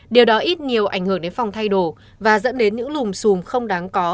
điều đó ít nhiều ảnh hưởng đến phòng thay đồ và dẫn đến những lùm xùm không đáng có